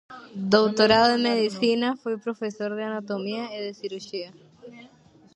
Doutorado en Medicina, foi profesor de anatomía e de cirurxía.